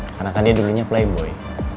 karena kan dia dulunya playboy